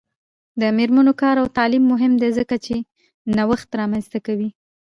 د میرمنو کار او تعلیم مهم دی ځکه چې نوښت رامنځته کوي.